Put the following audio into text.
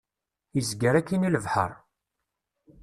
Izger akkin i lebḥer.